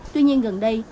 tuy nhiên gần đây